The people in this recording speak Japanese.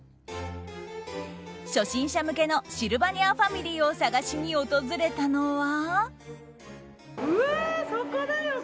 初心者向けのシルバニアファミリーを探しに訪れたのは。